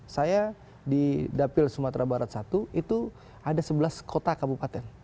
saya di dapil sumatera barat satu itu ada sebelas kota kabupaten